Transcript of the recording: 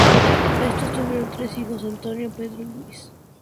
Estos tuvieron tres hijos, Antonio, Pedro y Luis.